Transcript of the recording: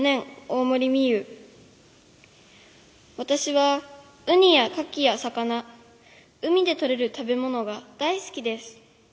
おおもりみゆうわたしは、ウニやカキや魚海でとれる食べものが大すきです。